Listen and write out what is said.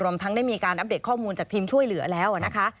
ทั้งได้มีการอัปเดตข้อมูลจากทีมช่วยเหลือแล้วนะคะ